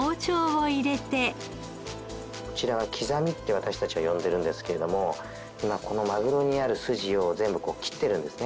こちらは「刻み」って私たちは呼んでるんですけれども今このマグロにあるスジを全部こう切ってるんですね